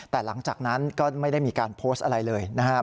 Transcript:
แต่หลังจากนั้นก็ไม่ได้มีการโพสต์อะไรเลยนะครับ